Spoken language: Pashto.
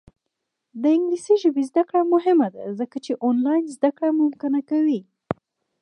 د انګلیسي ژبې زده کړه مهمه ده ځکه چې آنلاین زدکړه ممکنه کوي.